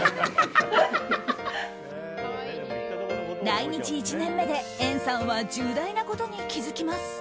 来日１年目で、エンさんは重大なことに気づきます。